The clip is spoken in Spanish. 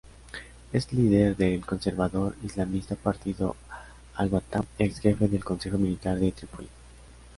Es líder del conservador islamista Partido al-Watan y exjefe del Consejo Militar de Trípoli.